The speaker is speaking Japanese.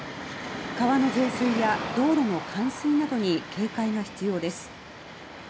川の増水や道路の冠水などに警戒が必要です。